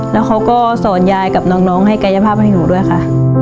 แล้วเขาก็สอนยายกับน้องให้กายภาพให้หนูด้วยค่ะ